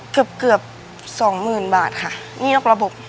เกือบสองหมื่นบาทค่ะนี่นอกระบบ